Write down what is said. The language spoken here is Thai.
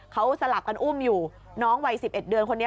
เขาสลับกันอุ้มอยู่น้องวัย๑๑เดือนคนนี้